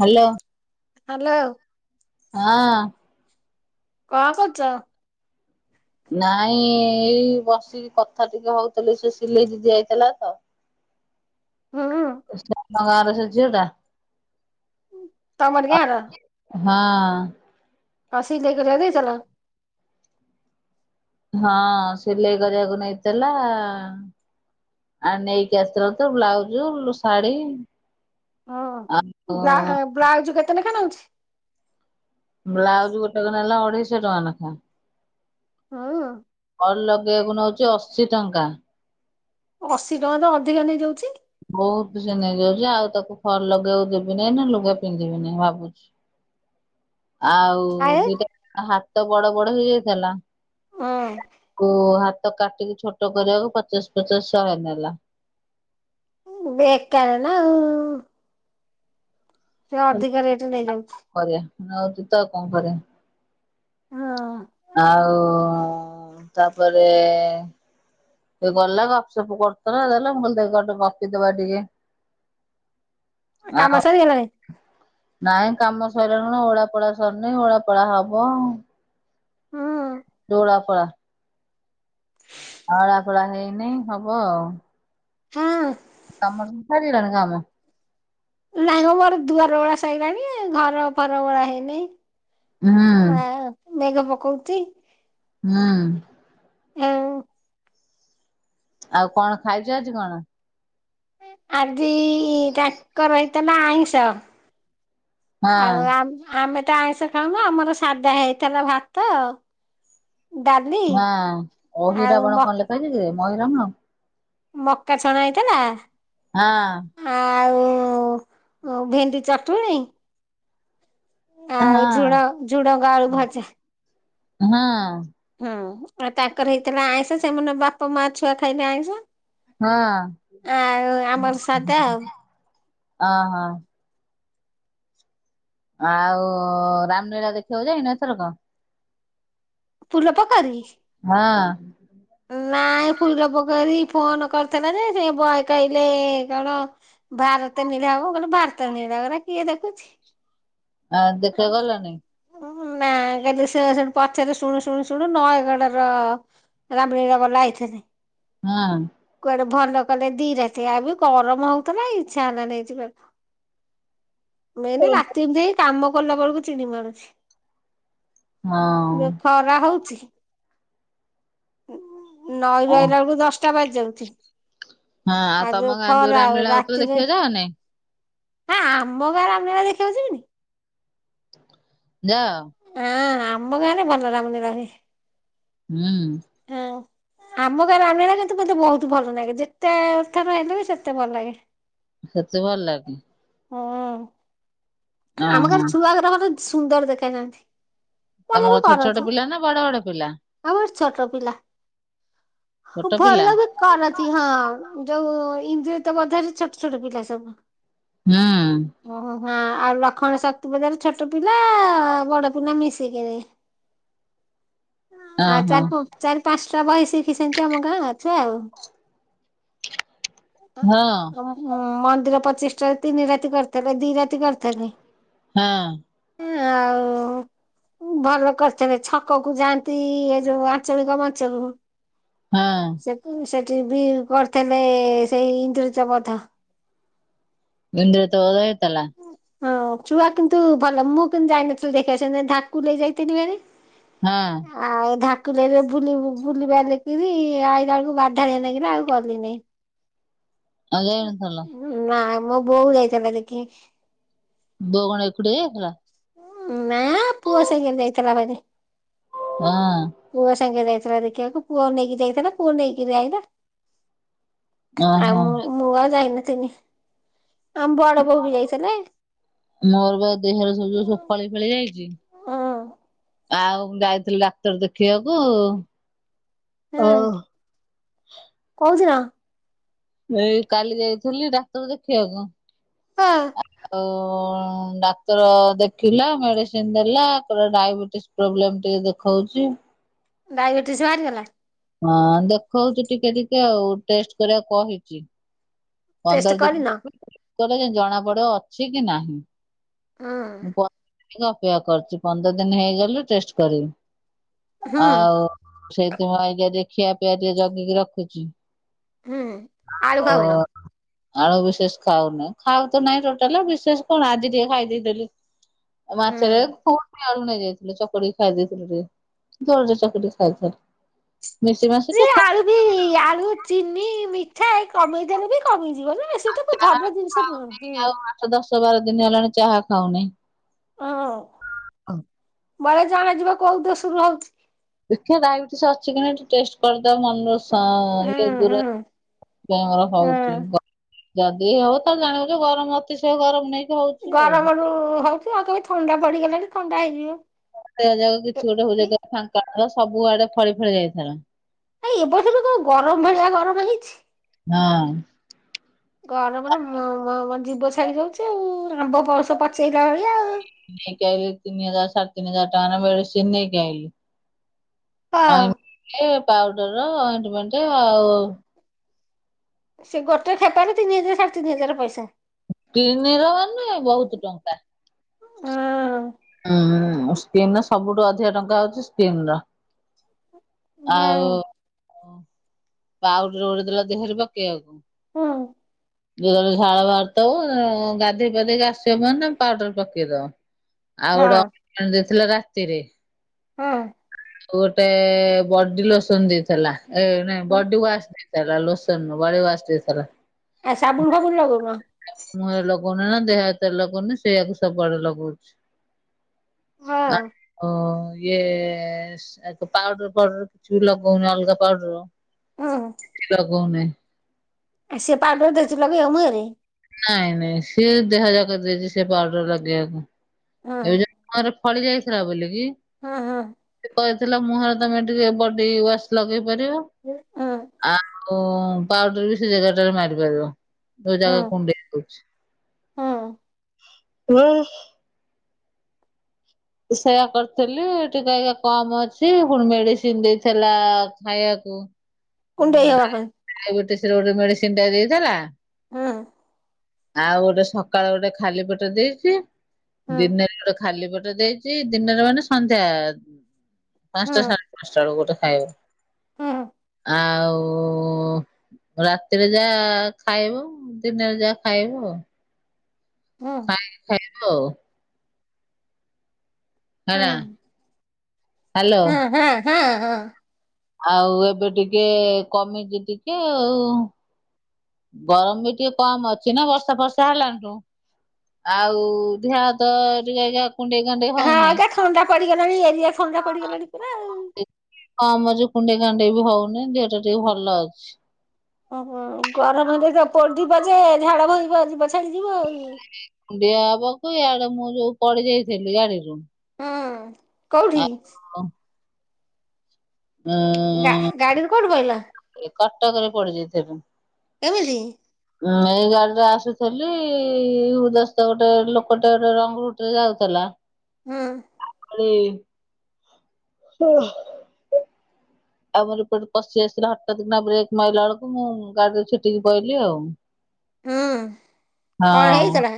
Hello hello. ହଁ। କଣ କରୁଛ? ନାଇଁ ଏଇ ବସିକି କଥା ଟିକେ ହଉଥିଲେ ସେ ସିଲେଇ ଦିିଦି ଆଇଥିଲା ତ। ହୁଁ। ଆମ ଗାଁର ସେ ଝିଅଟା। ତମରି ଗାଁର ହଁ। କସିକ ଯାଇକ ଯ ଦେଇଥିଲା [unintelligible] ହଁ ସିଲେଇ କରିବାକୁ ନେଇଥିଲା। ଆ ନେଇକି ଆସିଥିଲୁ ତ ବ୍ଲାଉଜ ଶାଢୀ ହଁ। ଆଉ ବ୍ଳା ବ୍ଲାଉଜ କେତେ ଲେଖା ନଉଚି? ବ୍ଲାଉଜ ଗୋଟେ କ ନେଲା ଅଢେଇଶହ ଟଙ୍କା ଲେଖା। ହଁଅ। ଫଲ ଲଗେଇବାକୁ ନଉଚି ଅଶୀ ଟଙ୍କା। ଅଶି ଟଙ୍କା ତ ଅଧିକା ନେଇଯାଉଛି? ବହୁତ ସେ ନେଇ ଯାଉଛି ଆଉ ତାକୁ ଫଲ ଲଗେଇବାକୁ ଦେବି ନାହିଁ ନା ଲୁଗା ପିନ୍ଧିବି ନାହିଁ ଭାବୁଛି। ଆଉ ଆଏ ଦିଟା ହାତ ବଡ ବଡ ହେଇଯାଇଥିଲା। ହଁ। କୁ ହାତ କାଟିକି ଛୋଟ କରିବାକୁ ପଚାଶ ପଚାଶ ଶହେ ନେଲା। ବେକାର ନାଉଁ। ସେ ଅଧିକ ରେଟରେ ନେଇଯାଉଚି। କରିବା ଆଉଛି ତ ଆଉ କଣ କରିବା। ହଁ। ଆଉ ତାପରେ ସେ ଗଲା ଗପସପ କରୁଥିଲା ଦେଲା। ମୁଁ କହିଲି ଦେ ଗୋଟେ ଗପିପିଦବା ଟିକେ। କାମ [unintelligible] ସରିଗଲାଣି? ନାଇଁ କାମ ସଇଲାଣି କଣ ଓଳା ପୋଳା ସରିନି ଓଳା ପୋଳା ହବ। ହୁଁ। ଡୋଳା ପଳା। ଅଳା ପଳା ହେଇନି ହବ ଆଉ। ହୁଁ। ତମର ସବୁ ସରିଗଲାଣି କାମ? ନାଇମ ମୋର ଦୁଆର ଓଳା ସଇଲାଣି ଘର ଫର ଓଳା ହେଇନାଇ। ହୁଁ। ଆଉ ମେଘ ପକଉଛି। ହୁଁ। ଆଉ। ଆଉ କଣ ଖାଇଛ ଆଜି କଣ? ଆଜି ତାଙ୍କର ହେଇଥିଲା ଆଇଁଷ। ହଁ ଆଉ ଆମେ ଆମେ ତ ଆଇଁଷ ଖାଉନୁ ଆମର ସାଧା ହେଇଥିଲା। ଭାତ ଡାଲି ଆଉ ମ କ [unintelligible] ନୁହଁ ମକା ଛଣା ହେଇଥିଲା। ହଁ ଆଉ ଭେଣ୍ଡି ଚଟୁଣୀ ଆଉ ହଁ ଝୁଡ ଝୁଡଙ୍ଗ ଆଳୁ ଭଜା। ହଁ। ହଁ।, ଆଉ ତାଙ୍କର ହେଇଥିଲା ଆଇଁଷ ସେମାନେ ବାପା, ମା, ଛୁଆ ଖାଇଲେ ଆଇଁଷ। ହଁ ଆଉ ଆମର ସାଧା ଆଉ। ଅହଁ। ଆଉ ରାମ ଲୀଳା ଦେଖିବାକୁ ଯାଇନ ଏଥରକ? ଫୁଲ ପୋଖରି? ହଁ। ନାଇଁ ଫୁଲପୋଖରୀ ଫୋନ କରିଥିଲା ଯେ ସେ ବହେ କହିଲେ କଣ ଭାରତ ନୀଳା ହବ ମୁଁ କହିଲି ଭାରତ ନୀଳା ଗୁରା କିଏ ଦେଖୁଛି। ଆଉ ଆ ଦେଖିବାକୁ ଗଲନି ନା ଏବେ ସେ ପଛରେ ଶୁଣୁ ଶୁଣୁ ଶୁଣୁ ନୟାଗଡର ରାମନୀଳା ବଲା ଆଇଥିଲେ। ହଁ। କୁଆଡେ ଭଲ କଲେ ଦି ରାତି ଆଉ ବି ଗରମ ହଉଥିଲା ଇଛା ହେଲାନାଇ ଯିବାକୁ। [inaudible] ମେନ ରାତି ନ୍ଦ୍ରୀ କାମ କଲା ବେଳକୁ ଚିଡି ମାରୁୁଛି। ହଁ। ଖରା ହଉଛି। ନଈ ରୁ ଓ ଆଇଲା ବେଳକୁ ଦଶଟା ବାଜି ଯାଉଛି। ହଁ ଆଉ ତମ ଯୋଉ ଗାଁ ଖରା ଆଉ ରାମଲୀଳା ହଉଥିଲା ରାତିରେ ଦେଖିବାକୁ ଯାଅ ନାଇଁ ହଁ ଆମ ଗାଁ ରାମଲୀଳା ଦେଖିବାକୁ ଯିବିନି। ଯାଅ। ହଁ, ଆମ ଗାଁ ରେ ଭଲ ରାମନୀଳା ହୁଏ। ହୁଁ। ହଁ ଆମ ଗାଁ ରାମନୀଳା କିନ୍ତୁ ମୋତେ ବହୁତ ଭଲ ଲାଗେ ଯେତେ ଥର ହେଲେ ବି ସେତେ ଭଲ ଲାଗେ। ସେତେ ଭଲ ଲାଗେ। ହୁଁ, ଆମ ଓହୋ ଗାଁ ରେ ଛୁଆ ଗୁରା ମାନେ ସୁନ୍ଦର ଦେଖା ଯାଆନ୍ତି। ତମ କଣ ଛୋଟ ଛୋଟ ପିଲା ନା ବଡ ବଡ ପିଲା। ଆମର ଛୋଟ ପିଲା। ଛୋଟ ଭଲ ପିଲା ଲାଗେ କରନ୍ତି ହଁ, ଯୋଉ ଇନ୍ଦ୍ରିଜିତ ବଧ ରେ ଛୋଟ ଛୋଟ ପିଲା ସବୁ। ହଁ। ଓହୋ [unintelligible] ଆଉ ଲକ୍ଷ୍ମଣୀ ଶକ୍ତି ପୂଜାରେ ଛୋଟ ପିଲା ବଡ ପିଲା ମିଶିକିରି। ଆଉ ଓହୋ ଚାରି ଚାରି ପାଞ୍ଚଟା ବହି ଶିଖି ସେମତି ଆମ ଗାଁ ଅଛ ଆଉ [unintelligible] ହଁ। ହଁ ମନ୍ଦିର ପଚିଶିଟାରେ ତିନି ରାତି କରିଥିଲେ ଦି ରାତି କରିଥିଲେ। ହଁ। ଆଉ ଭଲ କରିିଛନ୍ତି ଛକକୁୁ ଯାଆନ୍ତି ଏ ଯୋଉ ଆଞ୍ଚଳିକ ମଞ୍ଚକୁ। ହଁ। ସେ ସେଠି ବି କରିଥିଲେ ସେଇ ଇନ୍ଦ୍ରଜ ବଧ। ଇନ୍ଦ୍ରଜିତ୍ ବଧ ହେଇଥିଲା। ହଁ ଛୁଆ କିନ୍ତୁ ଭଲ ମୁଁ କିନ୍ତୁ ଯାଇନଥିଲି ଦେଖିବା ବାକୁ ନେଇ ଯାଇଥିଲି ଭାରି। ହଁ। ଆଉ ଧାକୁଲେଇ ରୁ ବୁଲିବାଲିକରି ଆଇଲା ବେଳକୁ ବାଧାଲିଆ ଲାଗିଲା ଆଉ ଗଲି ନାଇଁ। [inaudible] [unintelligible] ନା ମୋ ବୋଉ ଯାଇଥାଆନ୍ତା ଦେଖିବା ପାଇ। ବଉ କଣ ଏକୁଟିଆ ଯାଇଥିଲା। ନା ପୁଅ ସାଙ୍ଗରେ ଯାଇଥିଲା ଭାରି। ହଁ ପୁଅ ସାଙ୍ଗେ ରେ ଯାଇଥିଲା ଦେଖିବାକୁ ପୁଅ ନେଇକିରି ଯାଇଥିଲା ପୁଅ ନେଇକି ଆଇଲା। ଆଉ ଓହୋ। ମୁଁ ମୁଁ ଆଉ ଯାଇନଥିନି ଆମ ବଡ ବୋଉ ବି ଯାଇଥିଲେ। ମୋର ବା ଦେହରେ ସବୁ ଯୋଉ ଫଳି ଫଳି ଯାଇଛି ହଁ ଆଉ ଯାଇଥିଲି ଡାକ୍ତର ଦେଖିବାକୁ ଓ କୋଉ ଦିନ? ଏଇ କାଲି ଯାଇଥିଲି ଡାକ୍ଟର ଦେଖେଇବାକୁ। ହଁ ଆଉ ଡା କ୍ଟର ଦେଖିଲା ମେଡିସିନ ଦେଲା କହିଲା ଡାଇବେଟିସ ପ୍ରୋବ୍ଲେମ ଟିକେ ଦେଖୋଉଚି। ଡାଇବେଟିସ ବାହାରିଗଲା? ହଁ ଦେଖୋଉଚି ଟିକେ ଟିକେ ଆଉ ଟେଷ୍ଟ କରିବାକୁ କହିଚି। ଟେଷ୍ଟ ପନ୍ଦର କରିନ ଦିନ [unintelligible] ପରେ ଜଣା ପଡିବ ଅଛି କି ନାହିଁ। ହୁଁ [inaudible] ଅପେକ୍ଷା କରଚି ପନ୍ଦର ଦିନ ହେଇଗଲେ ଟେଷ୍ଟ କରିବି। ହୁଁ ଆଉ ସେଇଥିପାଇଁ କା [unintelligible] ଖିଆ ପିଆ ଟିକେ ଜଗିକି ରଖୁଚି। ହୁଁ ଆଳୁ ଖାଉନ। ଆଳୁ ବିଶେଷ ଖାଉନି, ଖାଉ ତ ନାଇଁ ଟୋଟାଲେ ବିଶେଷ କଣ ଆଜି ଟିକେ ଖାଇଦେଇଥିଲି। ଆଉ ହୁଁ ମାଛରେୁ [unintelligible] ଆଳୁ ନେଇଯାଇଥିଲେ ଚକଟି ଖାଇ ଦେଇଥିଲୁ ଟିକେ [unintelligible] ଚକଟି ଖାଇଥିଲ୍। ମିଶି ସେ ମାସିକା ଖା। ଆଳୁ ବି ଆଳୁ ଚିନି ମିଠା ଏ କମେଇଦେଲେ ବି କମିଯିବ ନା। ସେଟା ଚାହା ଭଲ ଜିନିଷ ନୁହଁ ଖାଉନି ହୁଁ ଆଉ ଆଠ ଦଶ ବାର ଦିନ ହେଲାଣି ଚାହା ଖାଉନି। ହଁ ବଳେ ଜଣା ଯିବ କୋଉ ଦୋସରୁ ହୋଉଚି। ଦେଖିଆ ଡାଇବେଟିସ ଅଛି କି ନାଇଁ ଟିକେ ଟେଷ୍ଟ ହୁଁ ହୁଁ ହୁଁ [unintelligible] [inaudible] ଯଦି ହବ ତାହେଲେ ଜାଣିବୁ ଯେ ଗରମ ଅତିଶୟ ଗରମ ନେ ଗରମରୁ ହୋଉଚି ଆଉ ତମେ ଥଣ୍ଡା ପଡିଗଲେ ବି ଥଣ୍ଡା ହେଇଯିବ। ଦେହଯାକ ଏ କିଛି ଗୋଟେ [unintelligible] ଫାଙ୍କା ଘର ସବୁ ଆଡେ ଫଳି ଫଳି ଯାଇଥିଲା। ଏଇ ଏ ବର୍ଷ ବି କୋଉ ଗରମ ଭଳିଆ ଗରମ ହେଇଛି। ହଁ। ଗରମର ମ ମ ଜୀବ ଛାଡି ଯାଉଚି ଆଉ ଆମ୍ବ ପଣସ ପଚେଇଲା ଭଳିଆ ଆଉ। ନେଇକି ଆଇଲି ତିନି ହଜାର ସାଢେତିନି ହଜାର ଟଙ୍କାର ମେଡିସିନି ନେଇକ ଆଇଲି। ହଁ ଅଇଁଣ୍ଟିମେଣ୍ଟ ପାଉଡର ଅଇଁଣ୍ଟିମେଣ୍ଟ ଆଉ ସେ ଗୋଟେ ଖେପେରେ ତିନି ହଜାର ସାଢେ ତିନି ହଜାର ପଇସା। କିଡନିର ହେନେ ବୋହୁତ ଟଙ୍କା। ହଁ। ହଁ ସ୍କିିନର ସବୁଠୁ ଅଧିକା ଟଙ୍କା ହୋଉଚି ସ୍କିନର। ଆଉ ପାଉଡର ଗୋଟେ ଦେଲା ଦେହରେ ପକେଇବାକୁ। ହୁଁ। ଯେତେବେଳେ ଝାଳ ବାହୁରି ଧେବ ଗାଧେଇ ପାଧେଇକି ଆସିବୁ ମାନେ ପାଉଡର ପକେଇ ଦବ। ଆଉ ଗୋଟେ ଅଇଁଣ୍ଟିମେଣ୍ଟ ଦେଇଥିଲ ରାତିରେ। ହଁ। ଗୋଟେ ବଡି ଲୋସନ ଦେଇଥିଲା ଏ ନାଇଁ ବଡି ୱାଶ ଦେଇ ଥିଲା ଲୋସନ ନୁହେଁ ବଡି ୱାସ ଦେଇଥିଲା। ଆ ସାବୁନ ଫାବୁନ ଲାଗୋଉନ? ମୁଁରେ ଲଗୋଉନା ଦେହ ହାତରେ ଲଗୋଉନା ସେଇଆକୁ ସବୁଆଡେ ଲଗୋଉଛି। [unintelligible] ଇଏ ସେ ପାଉଡର ପାଉଡର କିଛି ବି ଲଗୋଉନି ଅଲଗା ପାଉଡର। କିଛି ଲଗୋଉ ନାଇଁ। ଆଉ ସେ ପାଉଡର ଦେଇଚି ଲଗେଇବାକୁ ମୁଇଁରେ। ନାଇଁ ନାଇଁ ସିଏ ଦେହ ଯାକ ଦେଇଚି ସେ ପାଉଡର ଲଗେଇବାକୁ। ଏବେ ତାର ଫଳି ଯାଇଥିଲା ବୋଲିକ କି। ହଁ ହଁ। ସେ କହିଥିଲା ମୁହଁରେ ତମେ ଟିକେ ବଡି ୱାଶ ଲଗେଇ ପାରିବ। ଆ ଓ ପାଉଡର ବି ସେ ଜାଗା ଟାରେ ମାରି ପାରିବ ଯୋଉ ଜାଗା କୁଣ୍ଡେଇ ହୋଉଚି। ୱ। ସେଇୟା କରିଥିଲି ଟିକେ ଇଏ କମ୍ ଅଛି ପୁଣି ମେଡ଼ିସିନ୍ ଦେଇଥିଲା ଖାଇବାକୁ। ଡାଇ ଆଉ ଗୋଟେ ସିଏ ଗୋଟେ ମେଡ଼ିସିନ୍ ଟାଏ ଦେଇଥିଲା। ହଁ। ଆଉ ଗୋଟେ ସକାଳେ ଗୋଟେ ଖାଲି ପେଟରେ ଦେଇଚି ଦିନେ ଗୋଟେ ଖାଲି ପଟେ ଦେଇଚି ଦିନରେ ମାନେ ସନ୍ଧ୍ୟା ପାଞ୍ଚଟା ସାଢେ ଉଚ୍ଛଵ ଗୋଟେ ଖାଇବ। ହୁଁ। ଆଉ ଓ ରାତିରେ ଯାହା ଖାଇବୁ ଦିନରେ ଯାହା ଖାଇବୁ ଆଉ। ହଁ। ପଣି ଖାଇବ। ହେଲା। ହ୍ୟାଲୋ ହେଁ ହେଁ ହେଁ ହଁ। ଆଉ ଏବେ ଟିକେ କମିଚି ଟିକେ ଆଉ। ଗରମ ବି ଟିକେ କମ୍ ଅଛି ନା ବର୍ଷା ଫର୍ଷା ହେଲାଣିଠୁ? ଆଉ ଦିହହାତ ଟିକେ ଜାହାର। ହଁ ଆଜ୍ଞା ଥଣ୍ଡା ପଡିଗଲାଣି ଏରିଆ ଥଣ୍ଡା ପଡିଗଲାଣି ପୁରା ଆଉ। ହଁ ମୋର ଯୋଉ କୁଣ୍ଡେଇ କାଣ୍ଡେଇ ବି ହଉନି ଦେହଟା ଟିକେ ଭଲ ଲାଗୁଚି। ଓହୋ ଗରମତ ସେତୋଳେ ଥିବ ଯେ ଝାଳ ବାହାରିବ ଯିବ ଛାଡିଯିବ ଆଉ। କୁଣ୍ଡିଆ ହବକୁ ଇଆଡେ ମୁଁ ଯୋଉ ପଡି ଯାଇଥିଲି ଗାଡିରୁ। ହୁଁ କୋଉଠି? ହଁ। ଗା ଗାଡିରୁ କୋଉଠି ପଇଲା? ଏ କଟକ ରେ ପଡିଯାଇଥିଲି। କେମିତି? ଉଁ ଏଇ ଗାଡିରେ ଆସୁଥିଲି ହୁଦସ୍ତେ ଗୋଟେ ଲୋକଟେ ଗୋଟେ ରଙ୍ଗରୁ କିଏ ଯାଉଥୁଲା? ହୁଁ। ନେଇ। [inaudible] ଆମ ଏପରୁ ପଶି ଆସିଲା ହଠାତ୍ କିନା ବ୍ରେକ୍ ମାରିଲା ବେଳକୁ ମୁଁ ଗାଡି ରେ ଛିଟିକି ପଇଲି ଆଉ। ହୁଁ କଣ ହଁ ହେଇଥିଲା?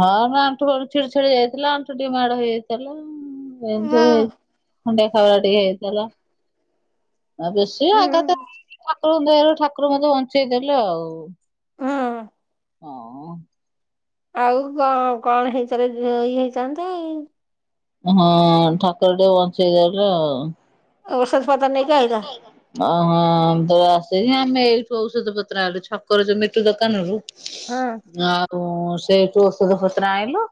ହଁ ନା ଆଣ୍ଠୁ ଗୋଡ଼ ଛିଡି ଛାଡି ଯାଇଥିଲା ଆଣ୍ଠୁ ଟିକେ ମାଡ ହେଇଯାଇଥିଲା ଏମିତି ହଁ ସବୁ। ଖଣ୍ଡିଆ ଖାବରା ଟିକେ ହେଇଥିଲା, ଆ ବେଶ ହୁଁ ଆଘାତ ତମ ଦୟାରୁ ଠାକୁର ମତେ ବଞ୍ଚେଇ ଦେଲେ ଆଉ। ହୁଁ। ଆଉ। ଆଉ କଣ, କଣ ହେଇସାରେ ଘିଅ ହେଇଥାନ୍ତି। ମନେ ଠାକୁର ଟିକେ ବଞ୍ଚେଇ ଦେଲେ ଆଉ। ଔଷଧ ପତର। [unintelligible] ଆଇଲ। ଅହଁ ତ ଆସିକି ଆମେ ଏଇଠୁ ଔଷଧ ପତ୍ର ଆଇଲୁ ଛକରୁ ଯୋଉ ମିଟୁ ଦୋକାନରୁୁ ହୁଁ ଆଉ ସେଇଠୁ ଓଷଦପତ୍ର ଆଇଁଲୁ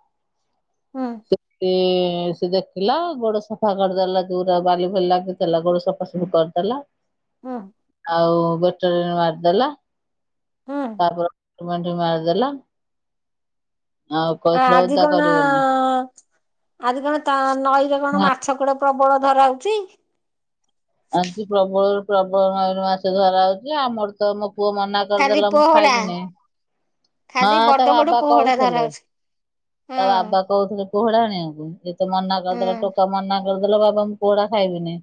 ହୁଁ ସେ ସେ ଦେଖ ଥିଲା, ଗୋଡ ସଫା କରିଦେଲା ଯୋଉରା ବାଲି ଫାଲି ଲାଗିଥିଲା ଗୋଡ ସଫା ସୁଫି କରିଦେଲା। ଉଁ ଆଉ [unintelligible] ମାରିଦେଲା। ହୁଁ ତାପରେ ଅଏଣ୍ଟମେଣ୍ଟ ମାରିଦେଲା। ଆଉ ଆ କହିଥିଲା ଆଜି ଓଦା କଣ କରିବନି। ଆଜି କଣ ତା ନଈରେ କଣ ହଁ ମାଛ କୁଆଡେ ପ୍ରବଳ ଧରା ହଉଛି? ଆଜି ପ୍ରବଳରୁୁ ପ୍ରବଳ ନଈରେ ମାଛ ଧରା ହଉଛି ଆମର ତ ମୋ ପୁଅ ମନା ଖାଲି କରିଦେଲା ମୁଁ ପୋହଡା ଖାଇବିନେଇ, ଖାଲି ହଁ ବଡ ତା ବଡ ବାବା ପୋହଡା ଧରା କହୁଥିଲେ ହଉଛି ତା ହଁ ବାବା କହୁଥିଲେ ପୋହୋଳା ଆଣିଆକୁ ଏତ ମନା ହୁଁ କରିଦେଲେ ଟୋକ ମନା କରିଦେଲା ବାବା ମୁଁ ପୋହୋଳା ଖାଇବିନି,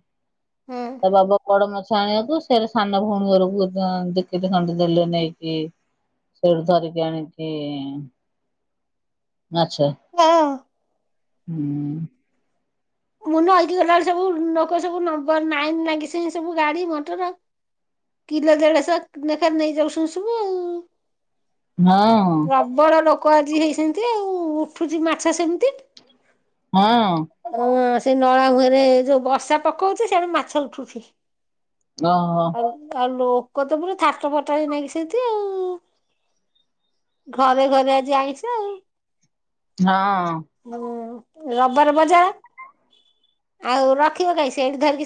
ହୁଁ ତା ବାବା ବଡ ମାଛ [unintelligible] କୁୁ ସେରା ସାନ ଭଉଣୀ ଘରକୁ ଆଁ ଦି-କେଜି ଖଣ୍ଡେ ଦେଲେ ନେଇକି। ସେଠୁ ଧରିକି ଆଣିକି ମାଛ। ହଁ ହୁଁ। ମୁ ନଈକି ଗଲାବେଳୁ ସବୁ ନୋକ ସବୁ ନମ୍ବର ନାଇନ ଲାଗିସି ସବୁ ଗାଡି, ମଟର। କିଲୋ, ଦେଢ଼ଶହ ନେଖା ନେଇଯାଉସୁନ ସବୁ ଆଉ! ହଁ। ପ୍ରବଳ ଲୋକ ଆଜି ହେଇସିନ୍ତି ଆଉ, ଉଠୁଛି ମାଛ ସେମିତି। ହଁ। ହଁ ସେ ନଳା ମୁହଁରେ ଯୋଉ ବର୍ଷା ପକାଉଛି ସିଆଡେ ମାଛ ଉଠୁଛି। ଅହ। ଆଉ ଆଉ ଲୋକ ତ ପୁରା ଥାଟ ଫଟା ହେଇ ନାଗିସିନ୍ତି ଆଉ! ଘରେ ଘରେ ଆଜି ଆଇଁସ ଆଉ। ହଁ। ଆଉ ରବବାର ମଜା। ଆଉ ରଖିବ କାଇଁ ସେଇଠୁ ଧରିକି ସେ